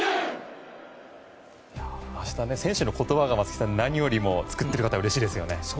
選手の言葉が何よりも作っている方はうれしいですよね。